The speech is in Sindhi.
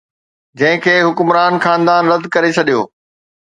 جنهن کي حڪمران خاندان رد ڪري ڇڏيو